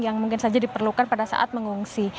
yang mungkin saja diperlukan pada saat mengungsi